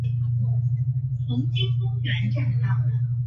这一背景促使了联邦政府开始处理这一问题。